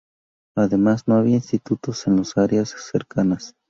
Además, no había institutos en las áreas cercanas.